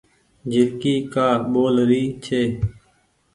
جهرڪي ڪآ ٻول رهي ڇي۔